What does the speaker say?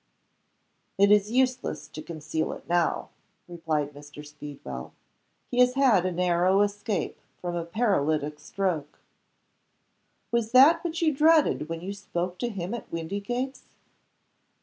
"It is useless to conceal it now," replied Mr. Speedwell. "He has had a narrow escape from a paralytic stroke." "Was that what you dreaded when you spoke to him at Windygates?"